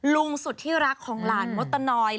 สุดที่รักของหลานมดตะนอย